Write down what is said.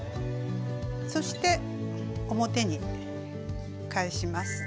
そして表に返します。